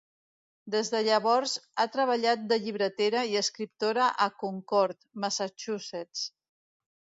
Des de llavors, ha treballat de llibretera i escriptora a Concord, Massachusetts.